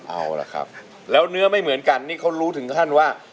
เอาล่ะครับแล้วเนื้อไม่เหมือนกันนี่เขารู้ถึงขั้นว่า